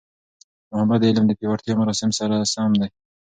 محبت د علم د پیاوړتیا مرام سره سم دی.